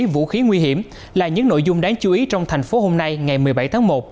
vũ khí nguy hiểm là những nội dung đáng chú ý trong thành phố hôm nay ngày một mươi bảy tháng một